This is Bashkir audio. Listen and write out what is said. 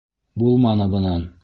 Булманы бынан!..